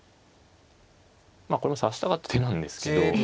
まあこれも指したかった手なんですけど。